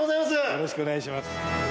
よろしくお願いします。